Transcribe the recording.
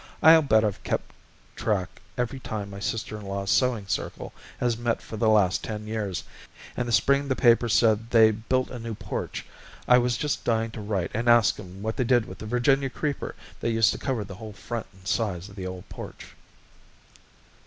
I'll bet I've kept track every time my sister in law's sewing circle has met for the last ten years, and the spring the paper said they built a new porch I was just dying to write and ask'em what they did with the Virginia creeper that used to cover the whole front and sides of the old porch."